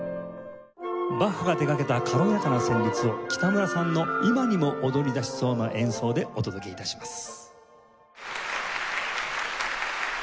バッハが手掛けた軽やかな旋律を北村さんの今にも踊り出しそうな演奏でお届け致します。